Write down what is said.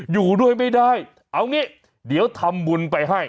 อยู่ด้วยไม่ได้เอางี้เดี๋ยวทำบุญไปให้